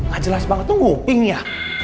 gak jelas banget lu nguping ya